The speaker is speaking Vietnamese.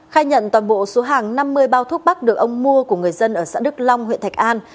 khai nhận toàn bộ số hàng năm mươi bao thuốc bắc được ông mua của người dân ở xã đức long huyện thạch an